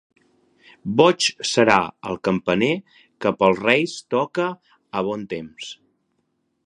Boig serà el campaner que pels Reis toca a bon temps.